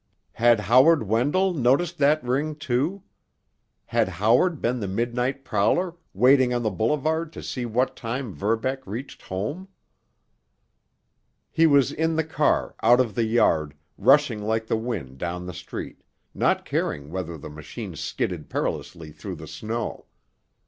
Had Howard Wendell noticed that ring, too? Had Howard been the midnight prowler waiting on the boulevard to see what time Verbeck reached home? He was in the car, out of the yard, rushing like the wind down the street, not caring whether the machine skidded perilously through the snow.